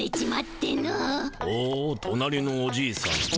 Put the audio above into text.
ほうとなりのおじいさんに。